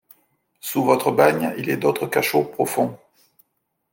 Sous votre bagne il est d’autres cachots profonds ;